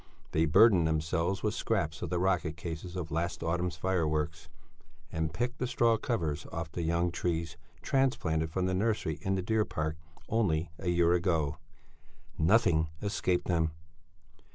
They burdened themselves with scraps of the rocket cases of last autumn's fireworks, and picked the straw covers off the young trees, transplanted from the nursery in the Deer Park only a year ago nothing escaped them.